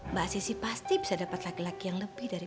mbak sisi pasti bisa dapat laki laki yang lebih dari